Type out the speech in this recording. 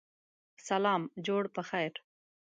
سلام جوړ پخیر